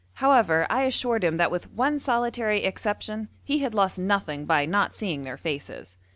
However I assured him that with one solitary exception he had lost nothing by not seeing their faces.